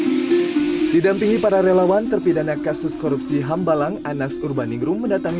hai didampingi para relawan terpidana kasus korupsi hambalang anas urbanigrum mendatangi